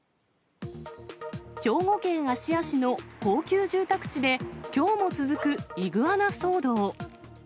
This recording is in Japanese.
兵庫県芦屋市の高級住宅地で、きょうも続くイグアナ騒動。